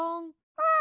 うん。